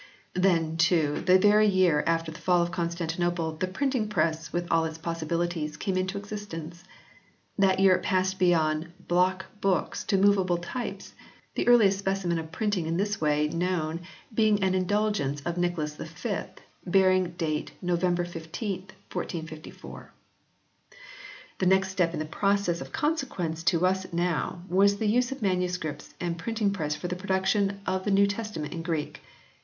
Then, too, the very year after the Fall of Constan tinople the Printing Press with all its possibilities came into existence. That year it passed beyond block books to movable types, the earliest specimen of printing in this way known being an Indulgence of Nicholas V bearing date November 15, 1454. The next step in the process of consequence to us now, was the use of MSS. and printing press for the production of the New Testament in Greek.